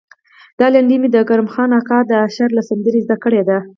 دا لنډۍ مې د کرم خان اکا د اشر له سندرې زده کړې ده.